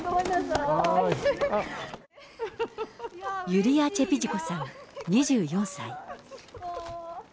ユリア・チェピジコさん２４歳。